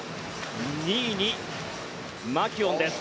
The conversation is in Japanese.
２位にマキュオンです。